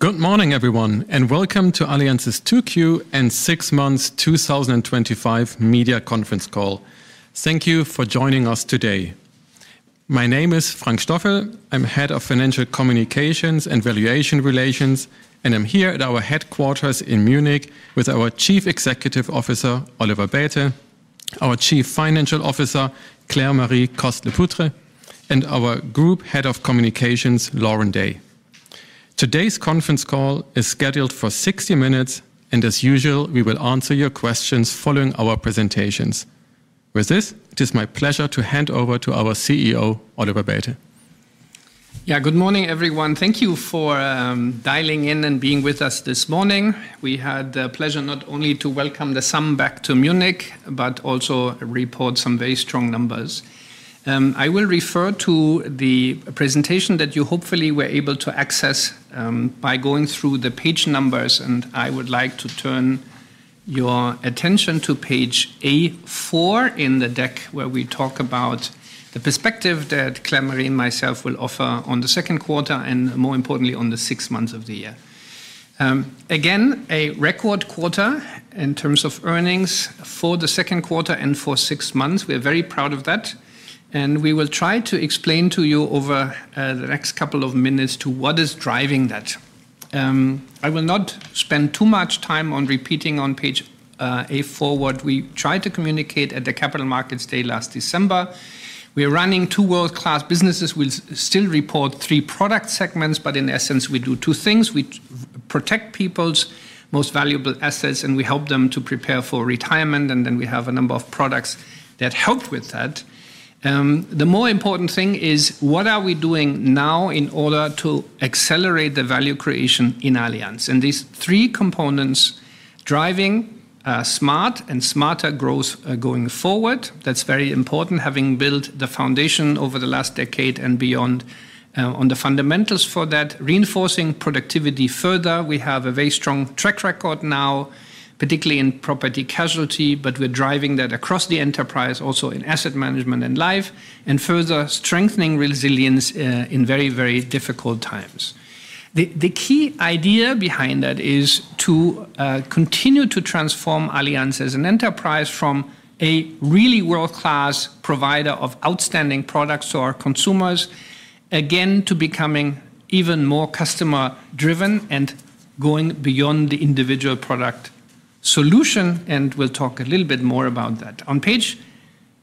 Good morning, everyone, and welcome to Allianz SE's 2Q and 6 months 2025 media conference call. Thank you for joining us today. My name is Frank Stoffel. I'm Head of Financial Communications and Valuation Relations, and I'm here at our headquarters in Munich with our Chief Executive Officer, Oliver Bäte, our Chief Financial Officer, Claire-Marie Coste-Lepoutre, and our Group Head of Communications, Lauren Day. Today's conference call is scheduled for 60 minutes, and as usual, we will answer your questions following our presentations. With this, it is my pleasure to hand over to our CEO, Oliver Bäte. Yeah, good morning, everyone. Thank you for dialing in and being with us this morning. We had the pleasure not only to welcome the sun back to Munich, but also report some very strong numbers. I will refer to the presentation that you hopefully were able to access by going through the page numbers, and I would like to turn your attention to page A4 in the deck where we talk about the perspective that Claire-Marie and myself will offer on the second quarter and more importantly on the six months of the year. Again, a record quarter in terms of earnings for the second quarter and for six months. We're very proud of that, and we will try to explain to you over the next couple of minutes what is driving that. I will not spend too much time on repeating on page A4 what we tried to communicate at the Capital Market Day last December. We are running two world-class businesses. We still report three product segments, but in essence, we do two things. We protect people's most valuable assets, and we help them to prepare for retirement. We have a number of products that help with that. The more important thing is what are we doing now in order to accelerate the value creation in Allianz? These three components: driving smart and smarter growth going forward. That's very important, having built the foundation over the last decade and beyond on the fundamentals for that, reinforcing productivity further. We have a very strong track record now, particularly in property-casualty insurance, but we're driving that across the enterprise, also in asset management and life, and further strengthening resilience in very, very difficult times. The key idea behind that is to continue to transform Allianz as an enterprise from a really world-class provider of outstanding products to our consumers, again to becoming even more customer-driven and going beyond the individual product solution. We'll talk a little bit more about that. On page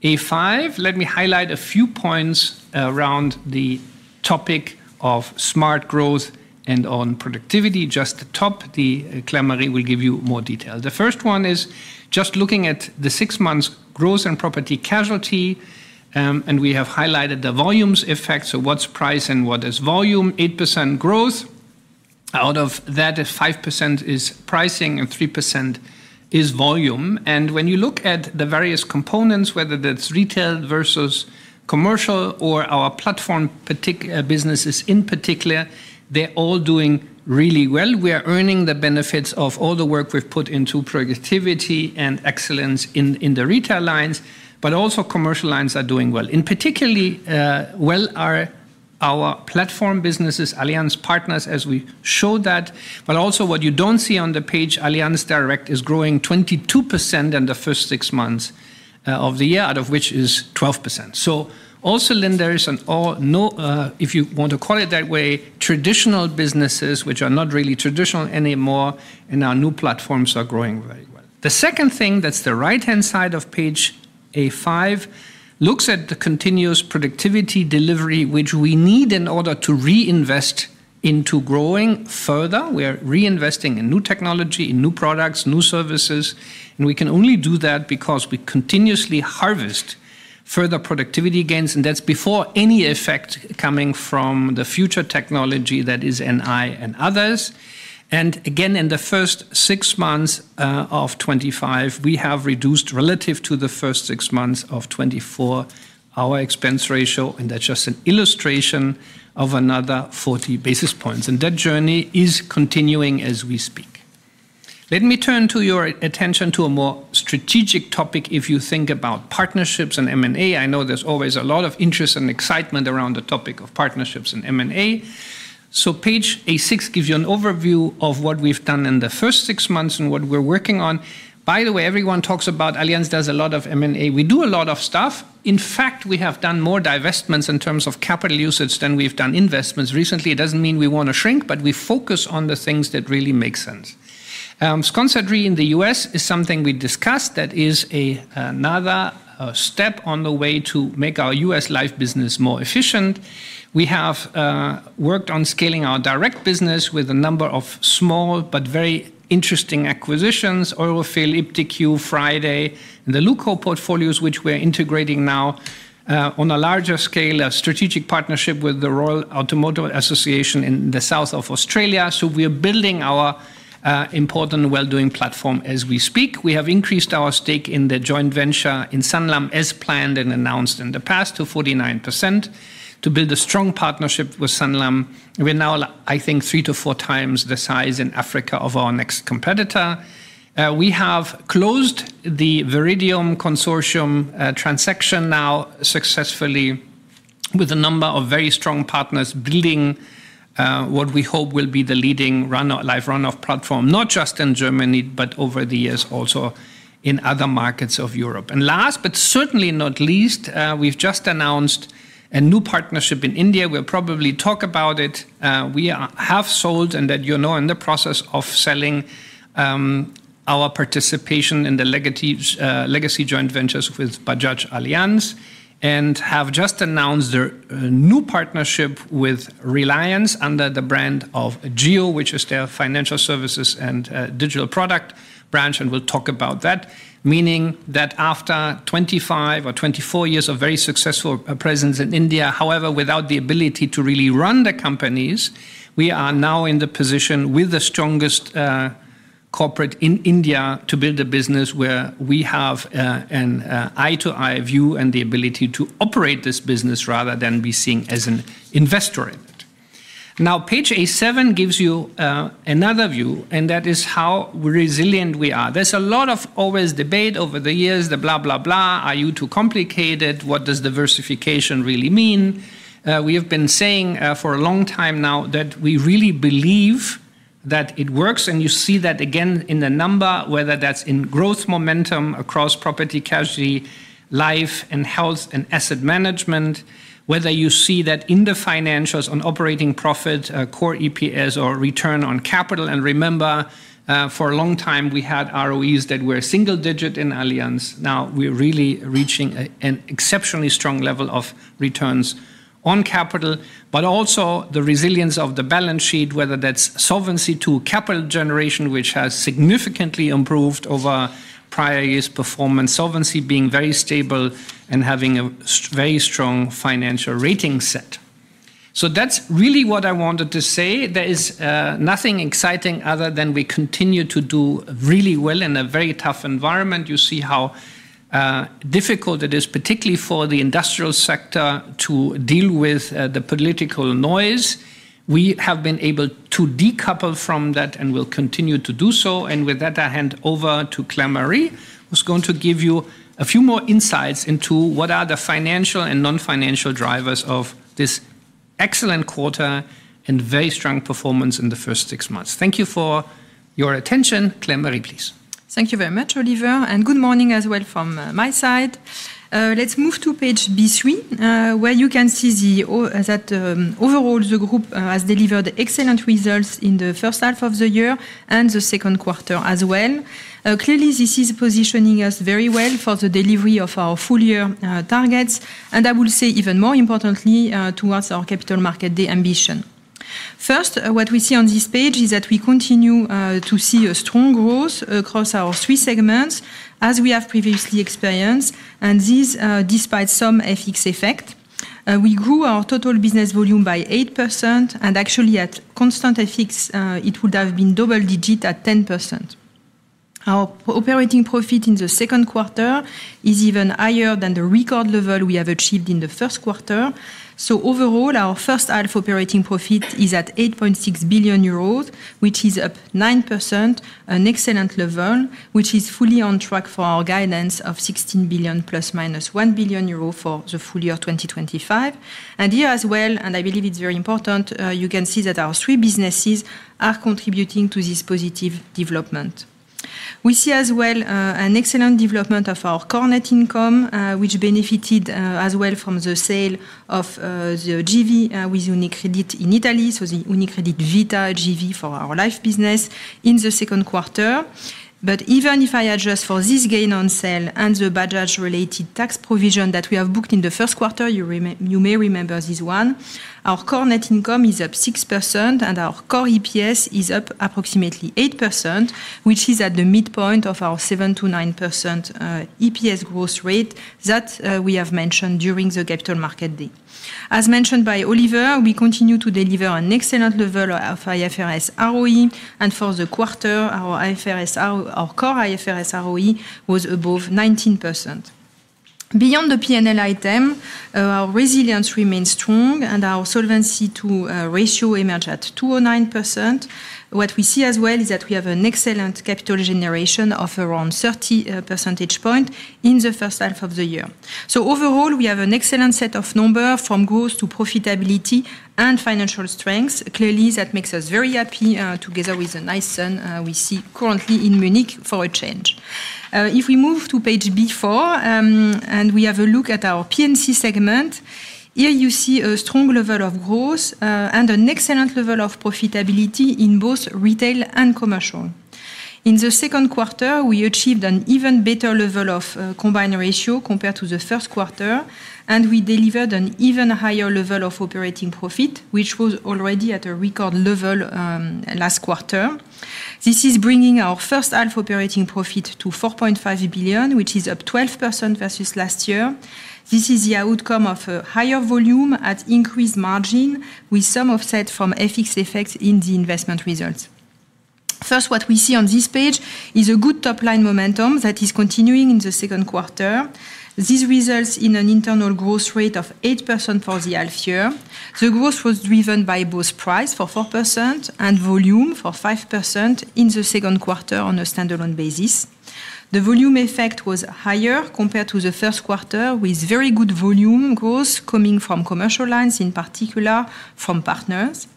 A5, let me highlight a few points around the topic of smart growth and on productivity. Just the top, Claire-Marie will give you more detail. The first one is just looking at the six months growth in property-casualty insurance. We have highlighted the volumes effect. So what's price and what is volume? 8% growth. Out of that, 5% is pricing and 3% is volume. When you look at the various components, whether that's retail versus commercial or our platform businesses in particular, they're all doing really well. We are earning the benefits of all the work we've put into productivity and excellence in the retail lines, but also commercial lines are doing well. In particular, our platform businesses, Allianz Partners, as we show that, but also what you don't see on the page, Allianz Direct is growing 22% in the first six months of the year, out of which is 12%. All cylinders and all, if you want to call it that way, traditional businesses, which are not really traditional anymore, and our new platforms are growing very well. The second thing is the right-hand side of page A5 looks at the continuous productivity delivery, which we need in order to reinvest into growing further. We're reinvesting in new technology, in new products, new services. We can only do that because we continuously harvest further productivity gains, and that's before any effect coming from the future technology that is NI and others. In the first six months of 2025, we have reduced relative to the first six months of 2024 our expense ratio, and that's just an illustration of another 40 basis points. That journey is continuing as we speak. Let me turn your attention to a more strategic topic if you think about partnerships and M&A. I know there's always a lot of interest and excitement around the topic of partnerships and M&A. Page A6 gives you an overview of what we've done in the first six months and what we're working on. By the way, everyone talks about Allianz does a lot of M&A. We do a lot of stuff. In fact, we have done more divestments in terms of capital usage than we've done investments recently. It doesn't mean we want to shrink, but we focus on the things that really make sense. Sponsored re in the U.S. is something we discussed that is another step on the way to make our U.S. life business more efficient. We have worked on scaling our direct business with a number of small but very interesting acquisitions: Oilfield, IPTQ, Friday, and the Luko portfolios, which we're integrating now on a larger scale, a strategic partnership with the Royal Automotive Association in the south of Australia. We're building our important well-doing platform as we speak. We have increased our stake in the joint venture in Sanlam as planned and announced in the past to 49% to build a strong partnership with Sanlam. We're now, I think, three to four times the size in Africa of our next competitor. We have closed the Veridium consortium transaction now successfully with a number of very strong partners, building what we hope will be the leading life run-off platform, not just in Germany, but over the years also in other markets of Europe. Last but certainly not least, we've just announced a new partnership in India. We'll probably talk about it. We have sold and are now in the process of selling our participation in the legacy joint ventures with Bajaj Allianz and have just announced a new partnership with Reliance under the brand of Ageo, which is their financial services and digital product branch. We'll talk about that, meaning that after 25 or 24 years of very successful presence in India, however, without the ability to really run the companies, we are now in the position with the strongest corporate in India to build a business where we have an eye-to-eye view and the ability to operate this business rather than be seen as an investor in it. Now, page A7 gives you another view, and that is how resilient we are. There's a lot of always debate over the years, the blah, blah, blah. Are you too complicated? What does diversification really mean? We have been saying for a long time now that we really believe that it works. You see that again in the number, whether that's in growth momentum across property-casualty, life and health, and asset management, whether you see that in the financials on operating profit, core EPS, or return on capital. Remember, for a long time, we had ROEs that were single-digit in Allianz. Now we're really reaching an exceptionally strong level of returns on capital, but also the resilience of the balance sheet, whether that's solvency to capital generation, which has significantly improved over prior year's performance, solvency being very stable and having a very strong financial rating set. That's really what I wanted to say. There is nothing exciting other than we continue to do really well in a very tough environment. You see how difficult it is, particularly for the industrial sector to deal with the political noise. We have been able to decouple from that and will continue to do so. With that, I hand over to Claire-Marie, who's going to give you a few more insights into what are the financial and non-financial drivers of this excellent quarter and very strong performance in the first six months. Thank you for your attention. Claire-Marie, please. Thank you very much, Oliver, and good morning as well from my side. Let's move to page B3, where you can see that overall the group has delivered excellent results in the first half of the year and the second quarter as well. Clearly, this is positioning us very well for the delivery of our full-year targets. I will say even more importantly towards our Capital Market Day ambition. First, what we see on this page is that we continue to see a strong growth across our three segments as we have previously experienced, and this is despite some FX effect. We grew our total business volume by 8%, and actually at constant FX, it would have been double-digit at 10%. Our operating profit in the second quarter is even higher than the record level we have achieved in the first quarter. Overall, our first half operating profit is at 8.6 billion euros, which is up 9%, an excellent level, which is fully on track for our guidance of 16 billion ±1 billion euro for the full year 2025. Here as well, and I believe it's very important, you can see that our three businesses are contributing to this positive development. We see as well an excellent development of our core net income, which benefited as well from the sale of the JV with UniCredit in Italy, so the UniCredit Vita JV for our life business in the second quarter. Even if I adjust for this gain on sale and the Bajaj-related tax provision that we have booked in the first quarter, you may remember this one, our core net income is up 6% and our core EPS is up approximately 8%, which is at the midpoint of our 7%-9% EPS growth rate that we have mentioned during the Capital Market Day. As mentioned by Oliver, we continue to deliver an excellent level of our IFRS ROE, and for the quarter, our core IFRS ROE was above 19%. Beyond the P&L item, our resilience remains strong and our solvency II ratio emerges at 209%. We see as well that we have an excellent capital generation of around 30 percentage points in the first half of the year. Overall, we have an excellent set of numbers from growth to profitability and financial strengths. Clearly, that makes us very happy together with a nice sun we see currently in Munich for a change. If we move to page B4 and we have a look at our P&C segment, here you see a strong level of growth and an excellent level of profitability in both retail and commercial. In the second quarter, we achieved an even better level of combined ratio compared to the first quarter, and we delivered an even higher level of operating profit, which was already at a record level last quarter. This is bringing our first half operating profit to 4.5 billion, which is up 12% versus last year. This is the outcome of a higher volume at increased margin with some offset from FX effects in the investment results. First, what we see on this page is a good top-line momentum that is continuing in the second quarter. This results in an internal growth rate of 8% for the half year. The growth was driven by both price for 4% and volume for 5% in the second quarter on a standalone basis. The volume effect was higher compared to the first quarter with very good volume growth coming from commercial lines, in particular from partners.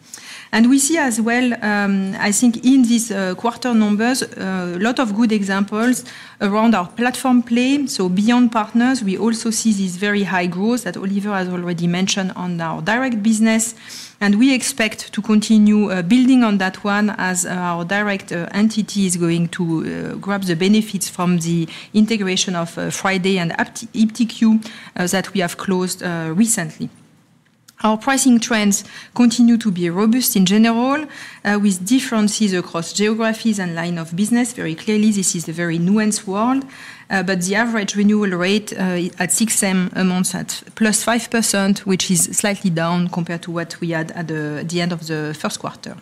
We see as well, I think in these quarter numbers, a lot of good examples around our platform play. Beyond partners, we also see this very high growth that Oliver has already mentioned on our direct business. We expect to continue building on that one as our direct entity is going to grab the benefits from the integration of Friday and IPTQ that we have closed recently. Our pricing trends continue to be robust in general with differences across geographies and line of business. Very clearly, this is a very nuanced world. The average renewal rate at 6M a month at +5%, which is slightly down compared to what we had at the end of the first quarter.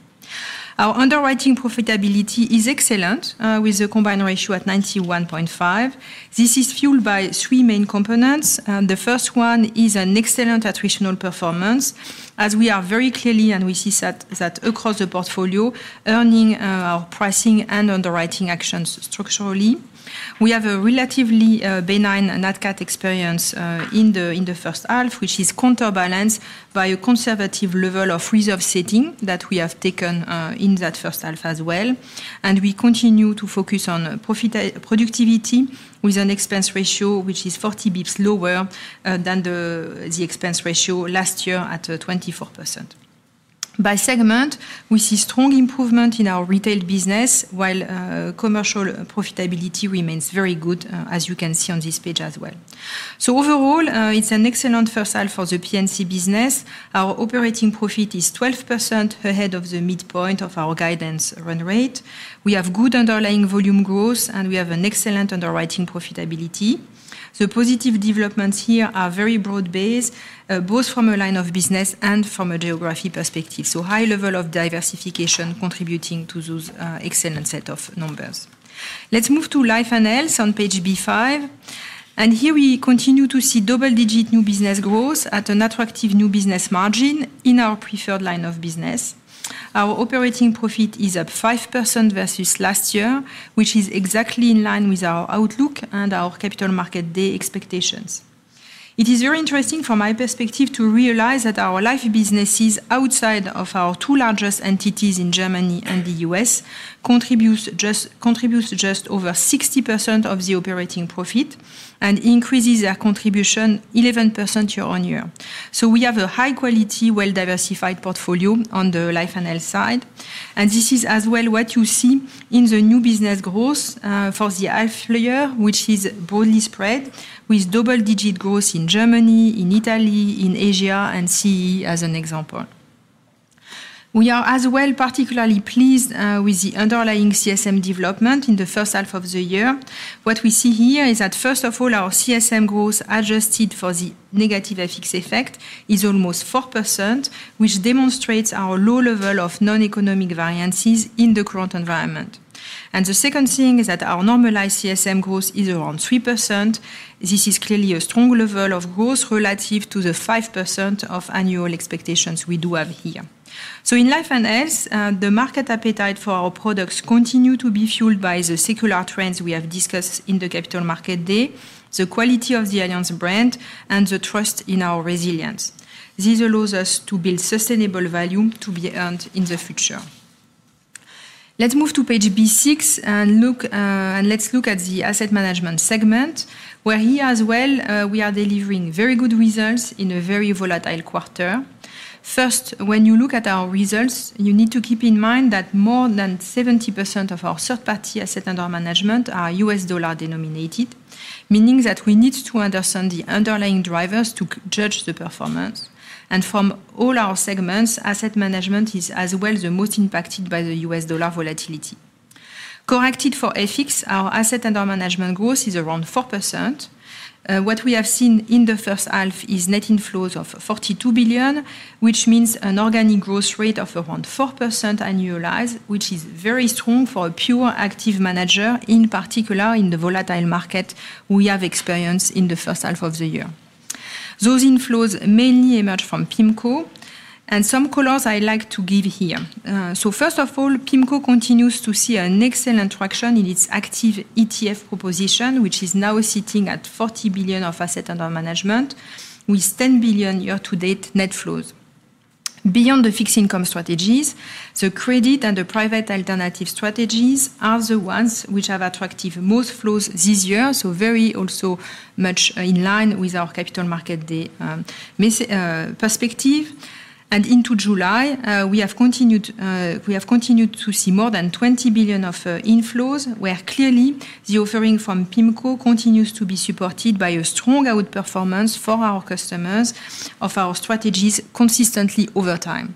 Our underwriting profitability is excellent with a combined ratio at 91.5%. This is fueled by three main components. The first one is an excellent attritional performance, as we are very clearly, and we see that across the portfolio, earning our pricing and underwriting actions structurally. We have a relatively benign NATCAT experience in the first half, which is counterbalanced by a conservative level of reserve setting that we have taken in that first half as well. We continue to focus on productivity with an expense ratio which is 40 basis points lower than the expense ratio last year at 24%. By segment, we see strong improvement in our retail business while commercial profitability remains very good, as you can see on this page as well. Overall, it's an excellent first half for the property-casualty insurance business. Our operating profit is 12% ahead of the midpoint of our guidance run rate. We have good underlying volume growth, and we have an excellent underwriting profitability. The positive developments here are very broad-based, both from a line of business and from a geography perspective. A high level of diversification is contributing to those excellent set of numbers. Let's move to life and health on page B5. Here we continue to see double-digit new business growth at an attractive new business margin in our preferred line of business. Our operating profit is up 5% versus last year, which is exactly in line with our outlook and our Capital Market Day expectations. It is very interesting from my perspective to realize that our life businesses outside of our two largest entities in Germany and the U.S. contribute just over 60% of the operating profit and increase their contribution 11% year on year. We have a high-quality, well-diversified portfolio on the life and health side. This is as well what you see in the new business growth for the health layer, which is broadly spread with double-digit growth in Germany, in Italy, in Asia, and CEE as an example. We are as well particularly pleased with the underlying CSM development in the first half of the year. What we see here is that first of all, our CSM growth adjusted for the negative FX effect is almost 4%, which demonstrates our low level of non-economic variances in the current environment. The second thing is that our normalized CSM growth is around 3%. This is clearly a strong level of growth relative to the 5% of annual expectations we do have here. In life and health, the market appetite for our products continues to be fueled by the circular trends we have discussed in the Capital Market Day, the quality of the Allianz brand, and the trust in our resilience. This allows us to build sustainable value to be earned in the future. Let's move to page B6 and look at the asset management segment, where here as well we are delivering very good results in a very volatile quarter. First, when you look at our results, you need to keep in mind that more than 70% of our third-party asset under management are U.S. dollar denominated, meaning that we need to understand the underlying drivers to judge the performance. From all our segments, asset management is as well the most impacted by the U.S. dollar volatility. Corrected for FX, our asset under management growth is around 4%. What we have seen in the first half is net inflows of $42 billion, which means an organic growth rate of around 4% annualized, which is very strong for a pure active manager, in particular in the volatile market we have experienced in the first half of the year. Those inflows mainly emerge from PIMCO, and some colors I like to give here. First of all, PIMCO continues to see excellent traction in its active ETF proposition, which is now sitting at $40 billion of assets under management, with $10 billion year-to-date net flows. Beyond the fixed income strategies, the credit and the private alternative strategies are the ones which have attracted most flows this year, very much in line with our Capital Market Day perspective. Into July, we have continued to see more than $20 billion of inflows where clearly the offering from PIMCO continues to be supported by a strong outperformance for our customers of our strategies consistently over time.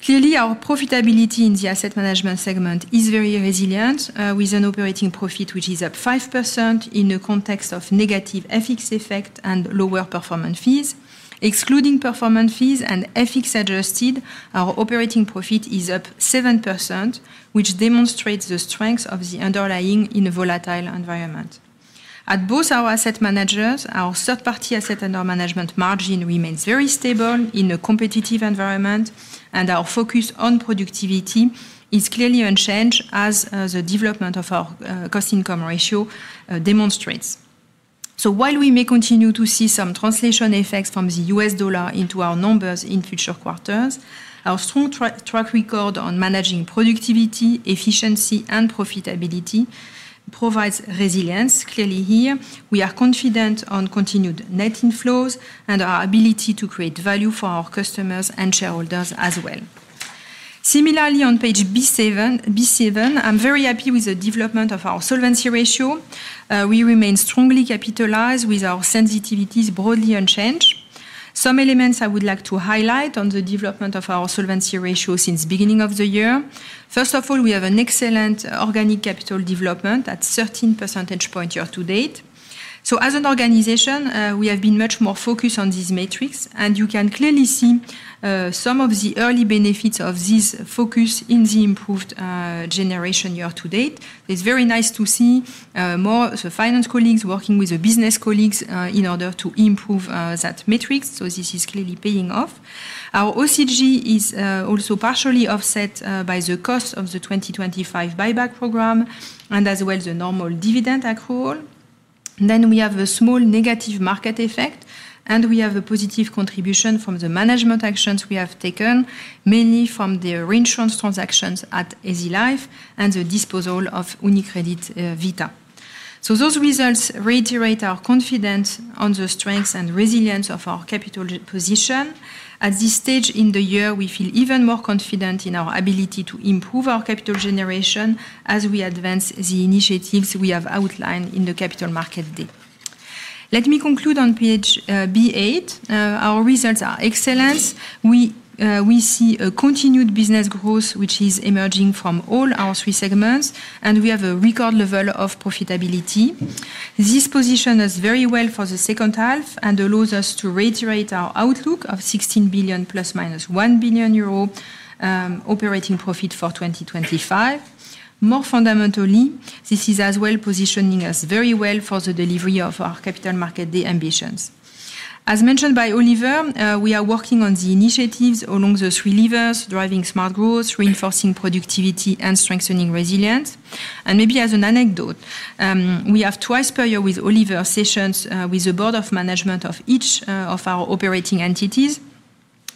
Clearly, our profitability in the asset management segment is very resilient, with an operating profit which is up 5% in the context of negative FX effect and lower performance fees. Excluding performance fees and FX adjusted, our operating profit is up 7%, which demonstrates the strength of the underlying in a volatile environment. At both our asset managers, our third-party assets under management margin remains very stable in a competitive environment, and our focus on productivity is clearly unchanged as the development of our cost-income ratio demonstrates. While we may continue to see some translation effects from the U.S. dollar into our numbers in future quarters, our strong track record on managing productivity, efficiency, and profitability provides resilience. Clearly here, we are confident on continued net inflows and our ability to create value for our customers and shareholders as well. Similarly, on page B7, I'm very happy with the development of our solvency ratio. We remain strongly capitalized with our sensitivities broadly unchanged. Some elements I would like to highlight on the development of our solvency ratio since the beginning of the year. First of all, we have an excellent organic capital development at 13 percentage points year to date. As an organization, we have been much more focused on this metric, and you can clearly see some of the early benefits of this focus in the improved generation year to date. It's very nice to see more finance colleagues working with the business colleagues in order to improve that matrix. This is clearly paying off. Our OCG is also partially offset by the cost of the 2025 buyback program and as well the normal dividend accrual. We have a small negative market effect, and we have a positive contribution from the management actions we have taken, mainly from the reinsurance transactions at EasyLife and the disposal of UniCredit Vita. Those results reiterate our confidence in the strengths and resilience of our capital position. At this stage in the year, we feel even more confident in our ability to improve our capital generation as we advance the initiatives we have outlined in the Capital Market Day. Let me conclude on page B8. Our results are excellent. We see continued business growth, which is emerging from all our three segments, and we have a record level of profitability. This positions us very well for the second half and allows us to reiterate our outlook of 16 billion ±1 billion euro operating profit for 2025. More fundamentally, this is also positioning us very well for the delivery of our Capital Market Day ambitions. As mentioned by Oliver, we are working on the initiatives along the three levers: driving smart growth, reinforcing productivity, and strengthening resilience. Maybe as an anecdote, we have twice per year with Oliver sessions with the Board of Management of each of our operating entities.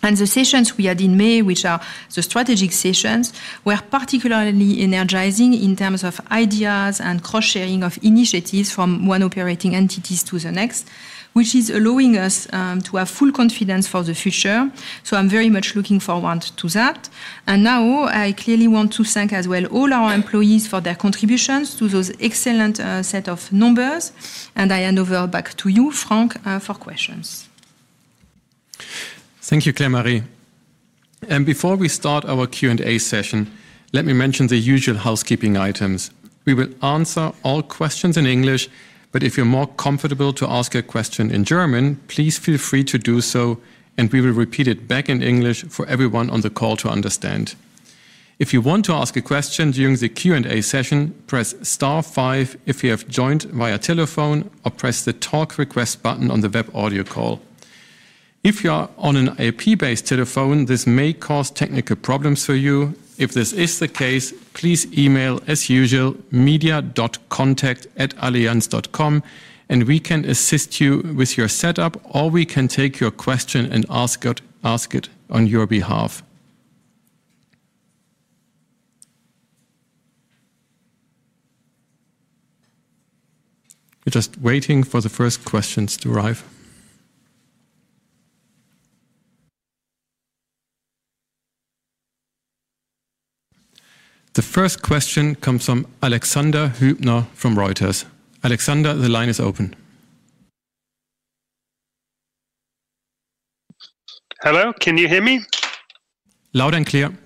The sessions we had in May, which are the strategic sessions, were particularly energizing in terms of ideas and cross-sharing of initiatives from one operating entity to the next, which is allowing us to have full confidence for the future. I am very much looking forward to that. I clearly want to thank as well all our employees for their contributions to those excellent sets of numbers. I hand over back to you, Frank, for questions. Thank you, Claire-Marie. Before we start our Q&A session, let me mention the usual housekeeping items. We will answer all questions in English, but if you're more comfortable to ask a question in German, please feel free to do so, and we will repeat it back in English for everyone on the call to understand. If you want to ask a question during the Q&A session, press star five if you have joined via telephone or press the Talk Request button on the web audio call. If you are on an AP-based telephone, this may cause technical problems for you. If this is the case, please email as usual media.contact@allianz.com, and we can assist you with your setup, or we can take your question and ask it on your behalf. We're just waiting for the first questions to arrive. The first question comes from Alexander Hübner from Reuters. Alexander, the line is open. Hello, can you hear me? Loud and clear.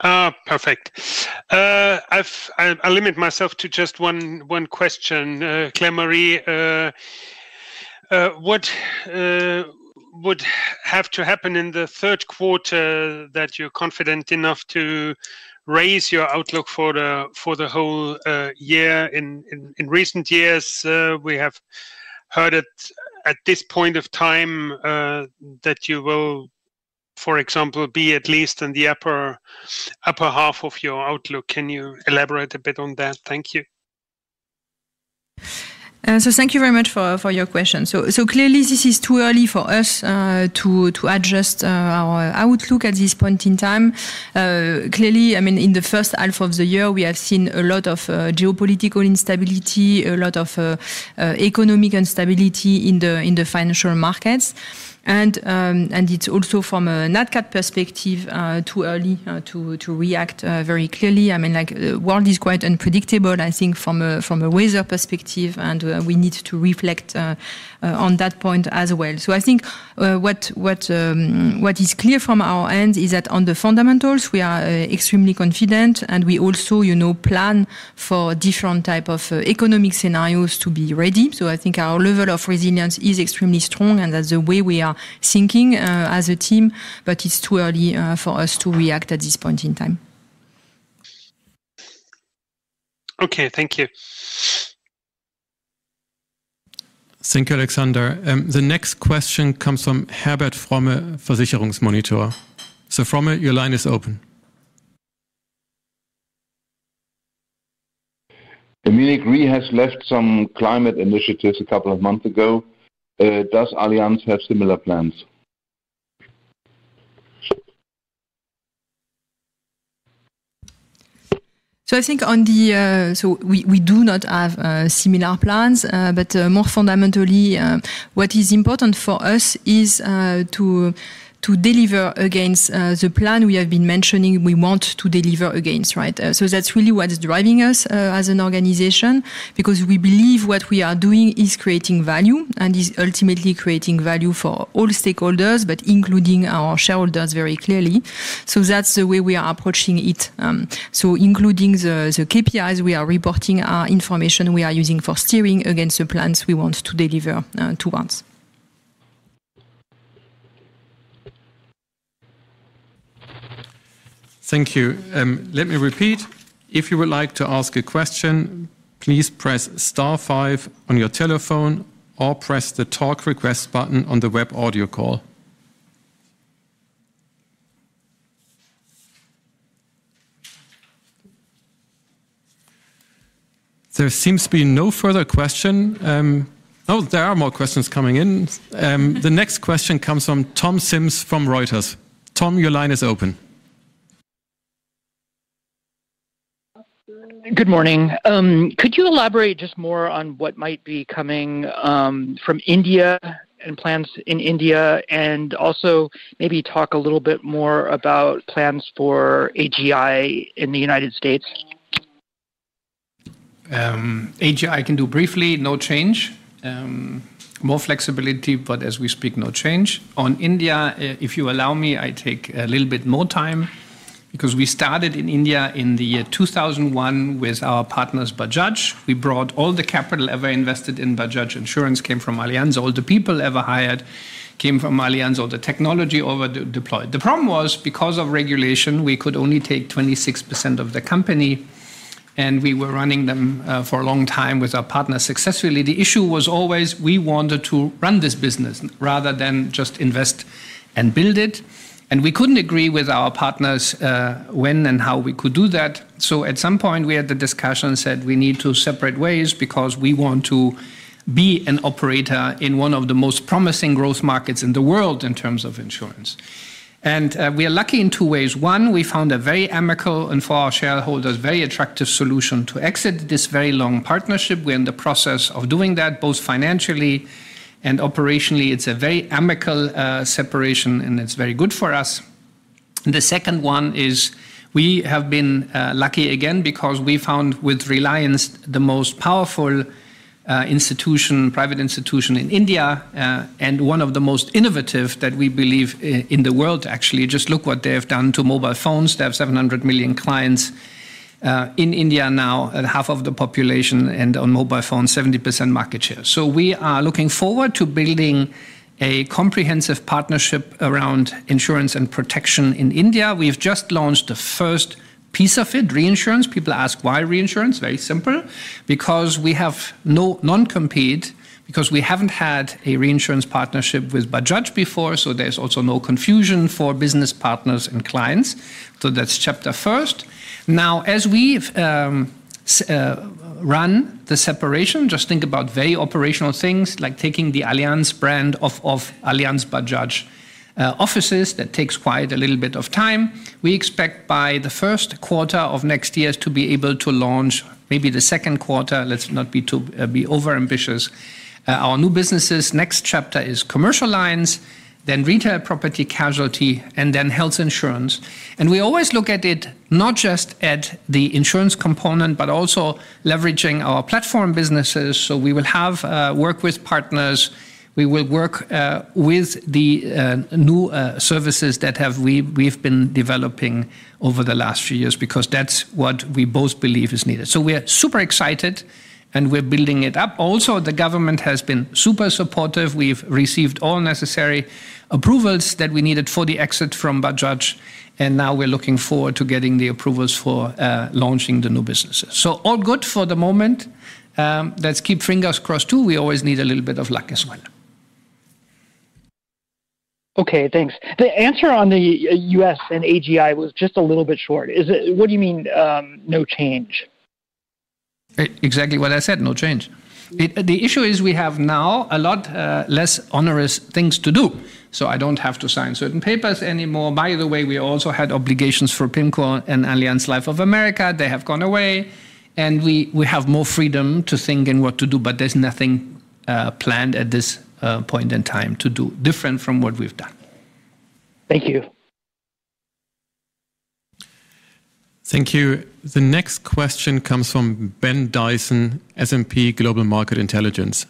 Perfect. I'll limit myself to just one question. Claire-Marie, what would have to happen in the third quarter that you're confident enough to raise your outlook for the whole year? In recent years, we have heard it at this point of time that you will, for example, be at least in the upper half of your outlook. Can you elaborate a bit on that? Thank you. Thank you very much for your question. Clearly, this is too early for us to adjust our outlook at this point in time. In the first half of the year, we have seen a lot of geopolitical instability, a lot of economic instability in the financial markets. It's also from a NATCAT perspective too early to react very clearly. The world is quite unpredictable, I think, from a weather perspective, and we need to reflect on that point as well. What is clear from our end is that on the fundamentals, we are extremely confident, and we also plan for different types of economic scenarios to be ready. I think our level of resilience is extremely strong, and that's the way we are thinking as a team, but it's too early for us to react at this point in time. Okay, thank you. Thank you, Alexander. The next question comes from Herbert Fromme from Versicherungsmonitor. Fromme, your line is open. Munich Re has left some climate initiatives a couple of months ago. Does Allianz have similar plans? We do not have similar plans, but more fundamentally, what is important for us is to deliver against the plan we have been mentioning. We want to deliver against, right? That's really what's driving us as an organization because we believe what we are doing is creating value and is ultimately creating value for all stakeholders, including our shareholders very clearly. That's the way we are approaching it, including the KPIs we are reporting, our information we are using for steering against the plans we want to deliver towards. Thank you. Let me repeat. If you would like to ask a question, please press star five on your telephone or press the Talk Request button on the web audio call. There seems to be no further question. Oh, there are more questions coming in. The next question comes from Tom Sims from Reuters. Tom, your line is open. Good morning. Could you elaborate just more on what might be coming from India and plans in India, and also maybe talk a little bit more about plans for AGI in the U.S.? AGI, I can do briefly, no change. More flexibility, but as we speak, no change. On India, if you allow me, I take a little bit more time because we started in India in the year 2001 with our partners Bajaj. We brought all the capital ever invested in Bajaj. Insurance came from Allianz. All the people ever hired came from Allianz. All the technology over deployed. The problem was because of regulation, we could only take 26% of the company, and we were running them for a long time with our partners successfully. The issue was always we wanted to run this business rather than just invest and build it. We couldn't agree with our partners when and how we could do that. At some point, we had the discussion and said we need to separate ways because we want to be an operator in one of the most promising growth markets in the world in terms of insurance. We are lucky in two ways. One, we found a very amicable and for our shareholders very attractive solution to exit this very long partnership. We're in the process of doing that both financially and operationally. It's a very amicable separation, and it's very good for us. The second one is we have been lucky again because we found with Reliance the most powerful institution, private institution in India, and one of the most innovative that we believe in the world, actually. Just look what they have done to mobile phones. They have 700 million clients in India now, half of the population, and on mobile phones, 70% market share. We are looking forward to building a comprehensive partnership around insurance and protection in India. We've just launched the first piece of it, reinsurance. People ask why reinsurance? Very simple. Because we have no non-compete, because we haven't had a reinsurance partnership with Bajaj before. There's also no confusion for business partners and clients. That's chapter first. Now, as we run the separation, just think about very operational things like taking the Allianz brand off of Allianz Bajaj offices. That takes quite a little bit of time. We expect by the first quarter of next year to be able to launch maybe the second quarter. Let's not be too overambitious. Our new businesses, next chapter is commercial lines, then retail property-casualty, and then health insurance. We always look at it not just at the insurance component, but also leveraging our platform businesses. We will have work with partners. We will work with the new services that we've been developing over the last few years because that's what we both believe is needed. We're super excited and we're building it up. Also, the government has been super supportive. We've received all necessary approvals that we needed for the exit from Bajaj. Now we're looking forward to getting the approvals for launching the new businesses. All good for the moment. Let's keep fingers crossed too. We always need a little bit of luck as well. Okay, thanks. The answer on the U.S. and AGI was just a little bit short. What do you mean, no change? Exactly what I said, no change. The issue is we have now a lot less onerous things to do. I don't have to sign certain papers anymore. By the way, we also had obligations for PIMCO and Allianz Life of America. They have gone away. We have more freedom to think and what to do, but there's nothing planned at this point in time to do different from what we've done. Thank you. Thank you. The next question comes from Ben Dyson, S&P Global Market Intelligence.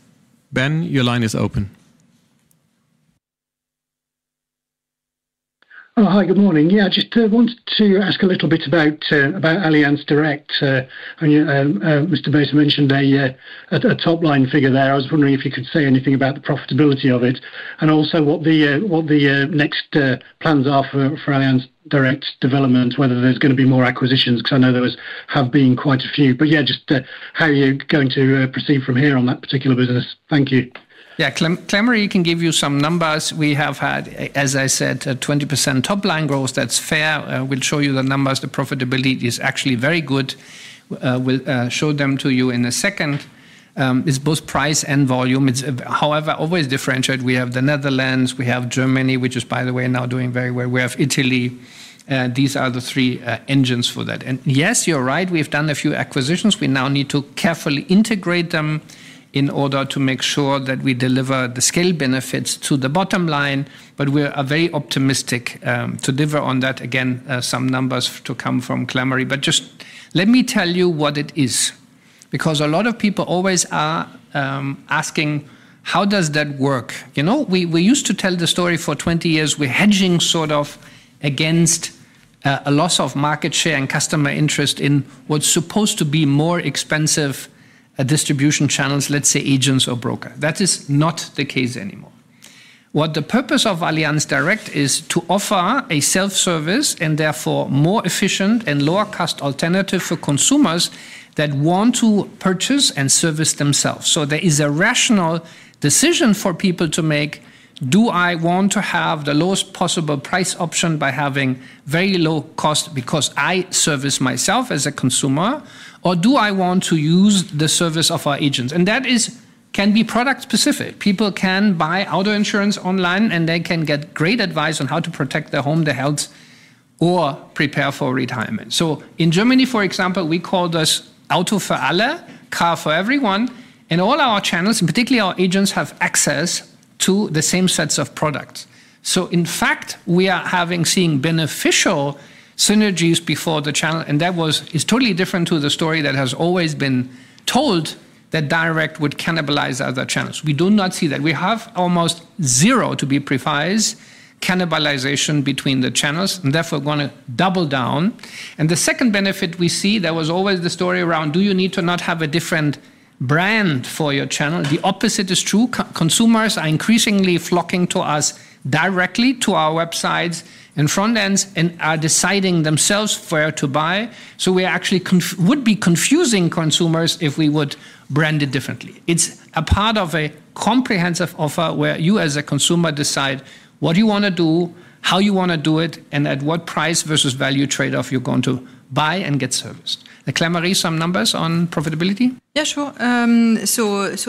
Ben, your line is open. Hi, good morning. I just wanted to ask a little bit about Allianz Direct. Mr. Bäte mentioned a top-line figure there. I was wondering if you could say anything about the profitability of it and also what the next plans are for Allianz Direct development, whether there's going to be more acquisitions because I know there have been quite a few. Just how are you going to proceed from here on that particular business? Thank you. Yeah, Claire-Marie, I can give you some numbers. We have had, as I said, 20% top-line growth. That's fair. We'll show you the numbers. The profitability is actually very good. We'll show them to you in a second. It's both price and volume. It's, however, always differentiated. We have the Netherlands, we have Germany, which is, by the way, now doing very well. We have Italy. These are the three engines for that. Yes, you're right. We've done a few acquisitions. We now need to carefully integrate them in order to make sure that we deliver the scale benefits to the bottom line. We are very optimistic to deliver on that. Again, some numbers to come from Claire-Marie. Just let me tell you what it is because a lot of people always are asking, how does that work? You know, we used to tell the story for 20 years, we're hedging sort of against a loss of market share and customer interest in what's supposed to be more expensive distribution channels, let's say agents or brokers. That is not the case anymore. What the purpose of Allianz Direct is to offer a self-service and therefore more efficient and lower-cost alternative for consumers that want to purchase and service themselves. There is a rational decision for people to make, do I want to have the lowest possible price option by having very low cost because I service myself as a consumer, or do I want to use the service of our agents? That can be product-specific. People can buy auto insurance online, and they can get great advice on how to protect their home, their health, or prepare for retirement. In Germany, for example, we call this Auto für alle, Car for everyone. All our channels, and particularly our agents, have access to the same sets of products. In fact, we are seeing beneficial synergies before the channel. That is totally different to the story that has always been told that Direct would cannibalize other channels. We do not see that. We have almost zero, to be precise, cannibalization between the channels, and therefore going to double down. The second benefit we see, there was always the story around, do you need to not have a different brand for your channel? The opposite is true. Consumers are increasingly flocking to us directly to our websites and front ends and are deciding themselves where to buy. We actually would be confusing consumers if we would brand it differently. It's a part of a comprehensive offer where you, as a consumer, decide what you want to do, how you want to do it, and at what price versus value trade-off you're going to buy and get serviced. Claire-Marie, some numbers on profitability? Yeah, sure.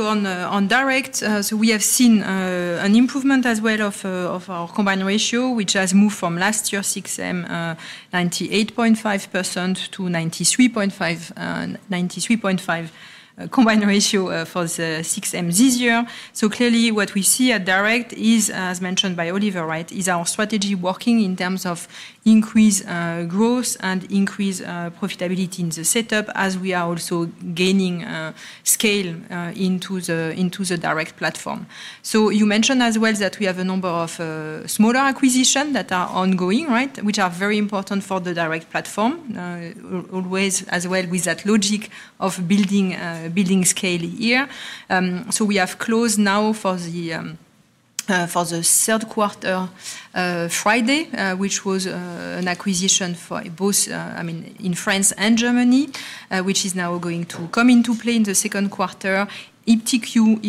On Direct, we have seen an improvement as well of our combined ratio, which has moved from last year's 6M 98.5% to 93.5% combined ratio for the 6M this year. Clearly, what we see at Direct is, as mentioned by Oliver Bäte, our strategy working in terms of increased growth and increased profitability in the setup as we are also gaining scale into the Direct platform. You mentioned as well that we have a number of smaller acquisitions that are ongoing, which are very important for the Direct platform, always as well with that logic of building scale here. We have closed now for the third quarter, Friday, which was an acquisition for both, I mean, in France and Germany, which is now going to come into play in the second quarter. IPTQ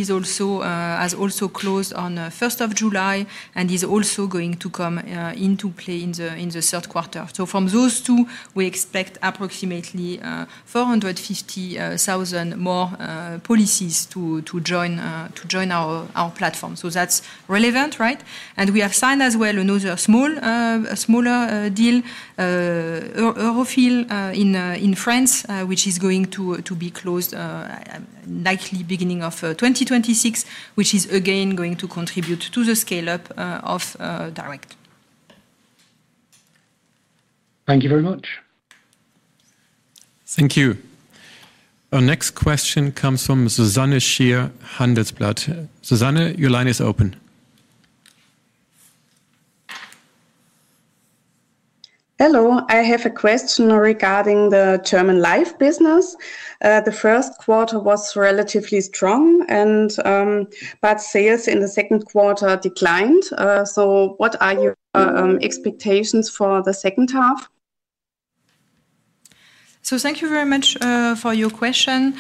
has also closed on the 1st of July and is also going to come into play in the third quarter. From those two, we expect approximately 450,000 more policies to join our platform. That's relevant, right? We have signed as well another smaller deal, Eurofil in France, which is going to be closed likely beginning of 2026, which is again going to contribute to the scale-up of Direct. Thank you very much. Thank you. Our next question comes from Susanne Scheiber, Handelsblatt. Susanne, your line is open. Hello, I have a question regarding the German Life business. The first quarter was relatively strong, but sales in the second quarter declined. What are your expectations for the second half? Thank you very much for your question.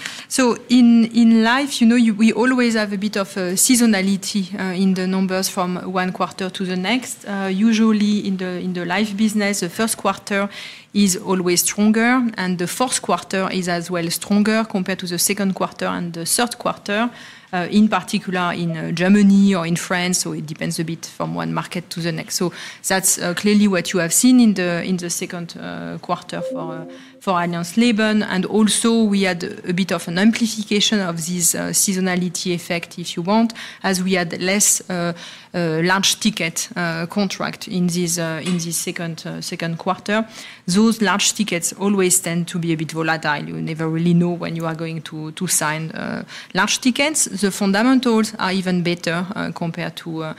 In life, you know, we always have a bit of seasonality in the numbers from one quarter to the next. Usually, in the life business, the first quarter is always stronger, and the fourth quarter is as well stronger compared to the second quarter and the third quarter, in particular in Germany or in France. It depends a bit from one market to the next. That's clearly what you have seen in the second quarter for Allianz Leben. Also, we had a bit of an amplification of this seasonality effect, if you want, as we had less large ticket contracts in this second quarter. Those large tickets always tend to be a bit volatile. You never really know when you are going to sign large tickets. The fundamentals are even better compared to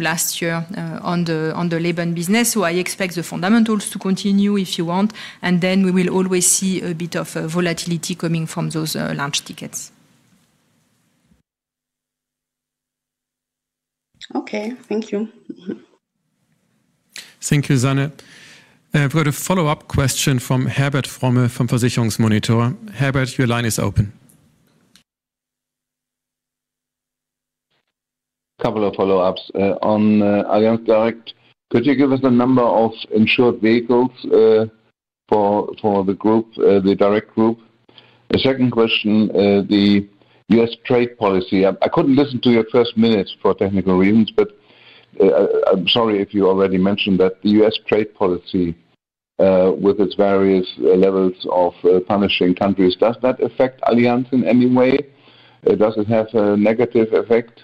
last year on the Leben business. I expect the fundamentals to continue, if you want. We will always see a bit of volatility coming from those large tickets. Okay, thank you. Thank you, Susanne. I've got a follow-up question from Herbert Frommer from Versicherungsmonitor. Herbert, your line is open. A couple of follow-ups on Allianz Direct. Could you give us the number of insured vehicles for the group, the Direct group? A second question, the U.S. trade policy. I couldn't listen to your first minute for technical reasons, but I'm sorry if you already mentioned that. The U.S. trade policy, with its various levels of punishing countries, does that affect Allianz in any way? Does it have a negative effect?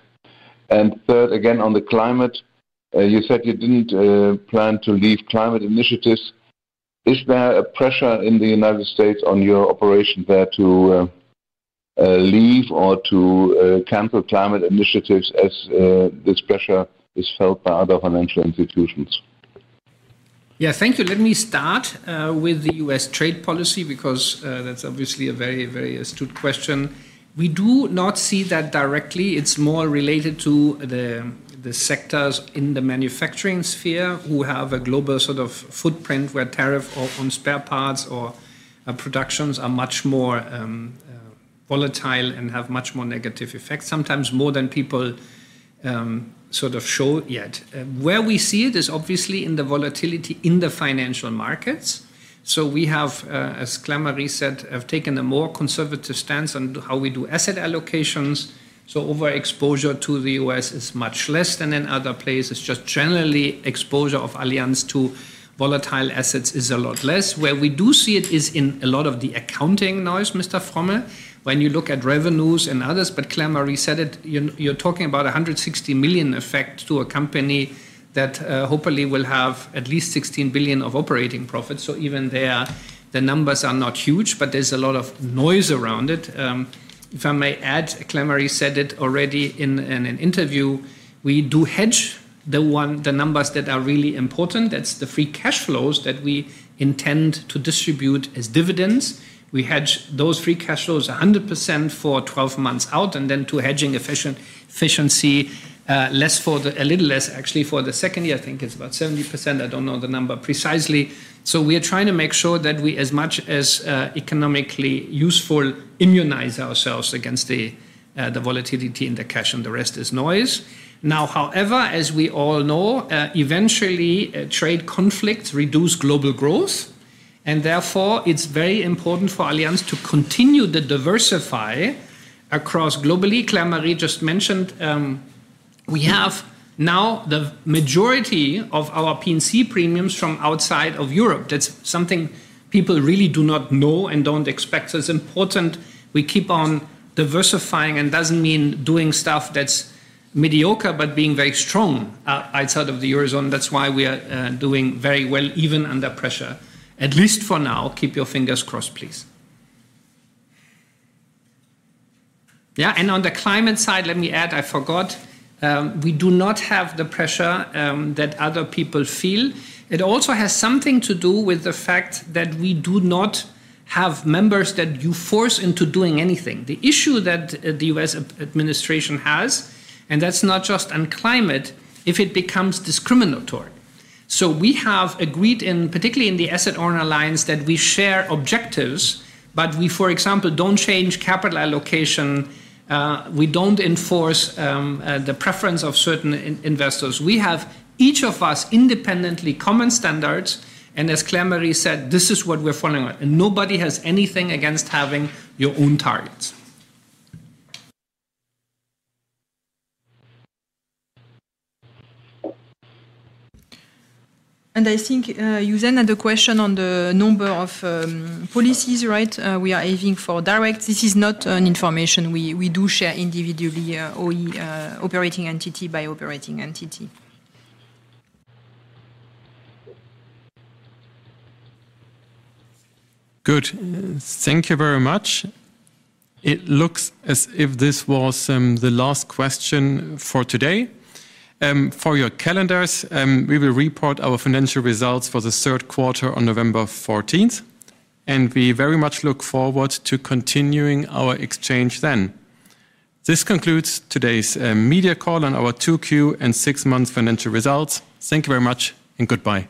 Third, again, on the climate, you said you didn't plan to leave climate initiatives. Is there a pressure in the United States on your operation there to leave or to cancel climate initiatives as this pressure is felt by other financial institutions? Yeah, thank you. Let me start with the U.S. trade policy because that's obviously a very, very astute question. We do not see that directly. It's more related to the sectors in the manufacturing sphere who have a global sort of footprint where tariffs on spare parts or productions are much more volatile and have much more negative effects, sometimes more than people sort of show yet. Where we see it is obviously in the volatility in the financial markets. We have, as Claire-Marie Coste-Lepoutre said, taken a more conservative stance on how we do asset allocations. Overexposure to the U.S. is much less than in other places. Just generally, exposure of Allianz to volatile assets is a lot less. Where we do see it is in a lot of the accounting noise, Mr. Frommer, when you look at revenues and others. Claire-Marie said it, you're talking about a $160 million effect to a company that hopefully will have at least $16 billion of operating profits. Even there, the numbers are not huge, but there's a lot of noise around it. If I may add, Claire-Marie said it already in an interview, we do hedge the numbers that are really important. That's the free cash flows that we intend to distribute as dividends. We hedge those free cash flows 100% for 12 months out and then to hedging efficiency, less for the, a little less actually for the second year. I think it's about 70%. I don't know the number precisely. We are trying to make sure that we, as much as economically useful, immunize ourselves against the volatility in the cash and the rest is noise. However, as we all know, eventually, trade conflicts reduce global growth. Therefore, it's very important for Allianz to continue to diversify across globally. Claire-Marie just mentioned we have now the majority of our property-casualty insurance premiums from outside of Europe. That's something people really do not know and don't expect. It's important we keep on diversifying and doesn't mean doing stuff that's mediocre, but being very strong outside of the eurozone. That's why we are doing very well, even under pressure. At least for now, keep your fingers crossed, please. On the climate side, let me add, I forgot, we do not have the pressure that other people feel. It also has something to do with the fact that we do not have members that you force into doing anything. The issue that the U.S. administration has, and that's not just on climate, if it becomes discriminatory. We have agreed, particularly in the asset owner alliance, that we share objectives, but we, for example, don't change capital allocation. We don't enforce the preference of certain investors. We have, each of us, independently common standards. As Claire-Marie said, this is what we're following on. Nobody has anything against having your own targets. I think you then had a question on the number of policies, right? We are aiming for Direct. This is not information we do share individually, operating entity by operating entity. Good. Thank you very much. It looks as if this was the last question for today. For your calendars, we will report our financial results for the third quarter on November 14. We very much look forward to continuing our exchange then. This concludes today's media call on our 2Q and 6-month financial results. Thank you very much and goodbye.